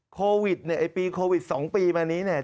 โควิดเนี่ยไอ้ปีโควิด๒ปีมานี้เนี่ย